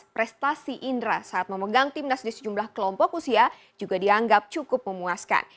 prestasi indra saat memegang timnas di sejumlah kelompok usia juga dianggap cukup memuaskan